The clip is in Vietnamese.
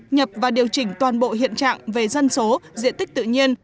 nhập và điều chỉnh toàn bộ hiện trạng về dân số diện tích tự nhiên